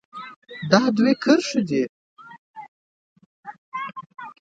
دا دوه کرښې دي.